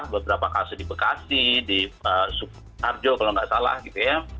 beberapa kasus di bekasi di sukoharjo kalau nggak salah gitu ya